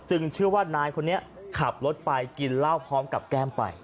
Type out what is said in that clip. เชื่อว่านายคนนี้ขับรถไปกินเหล้าพร้อมกับแก้มไป